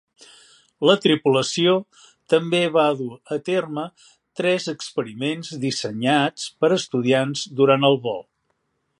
La tripulació també va dur a terme tres experiments dissenyats per estudiants durant el vol.